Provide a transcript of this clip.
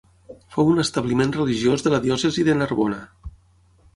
Fou un establiment religiós de la diòcesi de Narbona.